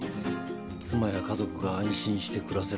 妻や家族が安心して暮らせること。